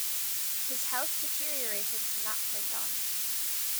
His health deteriorated from that point on.